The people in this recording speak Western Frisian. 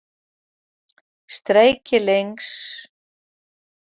Streekje links.